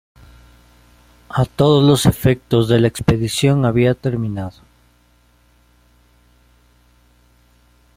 A todos los efectos de la expedición había terminado.